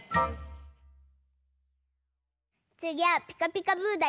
つぎは「ピカピカブ！」だよ。